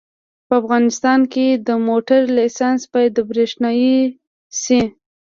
په افغانستان کې د موټر لېسنس باید برېښنایي شي